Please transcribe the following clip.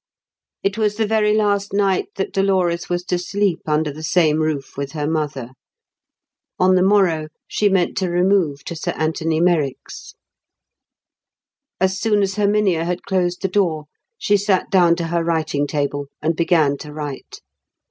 It was the very last night that Dolores was to sleep under the same roof with her mother. On the morrow, she meant to remove to Sir Anthony Merrick's. As soon as Herminia had closed the door, she sat down to her writing table and began to write.